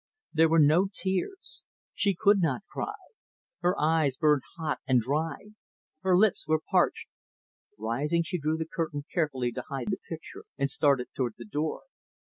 There were no tears. She could not cry. Her eyes burned hot and dry. Her lips were parched. Rising, she drew the curtain carefully to hide the picture, and started toward the door.